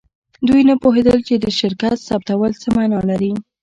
دوی نه پوهیدل چې د شرکت ثبتول څه معنی لري